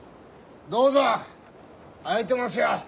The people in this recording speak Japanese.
どうぞ開いてますよ！